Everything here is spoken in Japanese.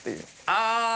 ああ！